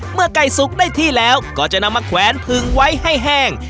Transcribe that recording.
เมื่อไก่สุกได้ที่แล้วก็จะนำมาแขวนพึงไว้ให้แห้ง